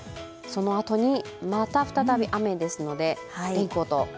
そのあとにまた再び雨ですので、レインコート。